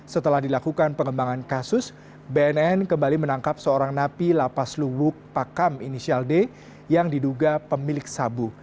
setelah dilakukan pengembangan kasus bnn kembali menangkap seorang napi lapas lubuk pakam inisial d yang diduga pemilik sabu